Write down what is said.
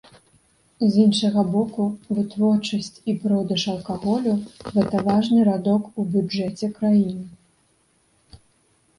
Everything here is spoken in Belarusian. З іншага боку, вытворчасць і продаж алкаголю гэта важны радок у бюджэце краіны.